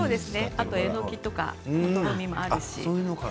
あとえのきとかもとろみがあるし。